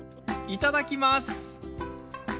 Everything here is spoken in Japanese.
いただきます！